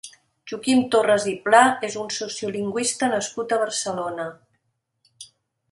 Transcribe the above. Joaquim Torres i Pla és un sociolingüista nascut a Barcelona.